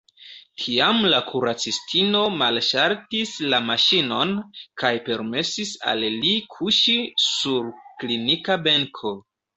Tiam la kuracistino malŝaltis la maŝinon, kaj permesis al li kuŝi sur klinika benko.